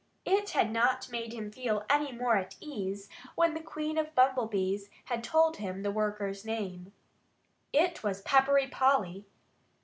It had not made him feel any more at ease when the Queen of the Bumblebees told him the worker's name. It was Peppery Polly.